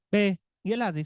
b nghĩa là gì